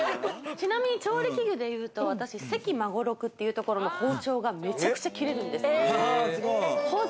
ちなみに調理器具でいうと私、関孫六というところの包丁がめちゃくちゃ切れるんですよ。